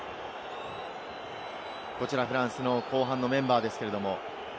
こちらフランスの後半のメンバーです。